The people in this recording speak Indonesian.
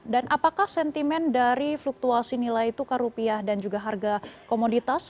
dan apakah sentimen dari fluktuasi nilai tukar rupiah dan juga harga komoditas